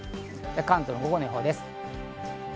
関東の午後の予報です。